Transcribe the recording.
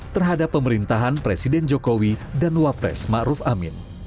terhadap pemerintahan presiden jokowi dan wapresma ruf amin